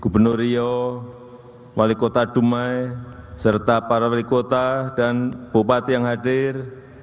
gubernur riau wali kota dumai serta para wali kota dan bupati yang hadir